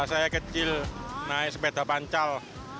saya kecil naik sepeda pancal